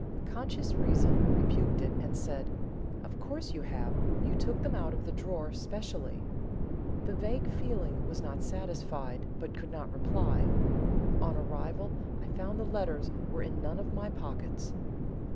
Conscious reason rebuked it, and said, 'Of course you have; you took them out of the drawer specially.' The vague feeling was not satisfied, but could not reply. On arrival I found the letters were in none of my pockets.